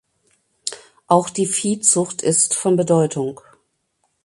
Auch die Viehzucht ist von Bedeutung.